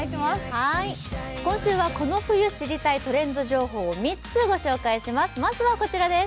今週はこの冬知りたいトレンド情報を３つ御紹介します。